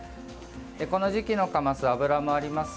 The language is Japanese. この時期のカマスは脂もあります。